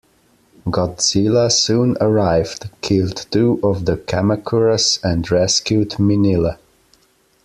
Godzilla soon arrived, killed two of the Kamacuras, and rescued Minilla.